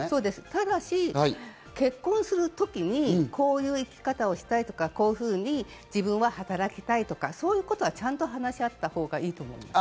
ただし、結婚する時にこういう生き方をしたいとか自分は働きたいとか、そういうことはちゃんと話し合ったほうがいいと思います。